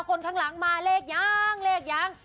คนข้างหลังมาเลขยังเลขยัง